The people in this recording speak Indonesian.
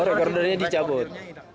oh rekordernya dicabut